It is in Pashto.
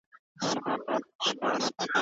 چي هوس کوې چي خاندې